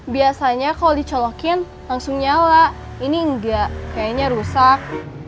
biasanya kalau dicolokin langsung nyala ini enggak kayaknya rusak